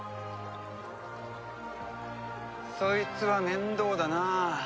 そいつは面倒だなあ。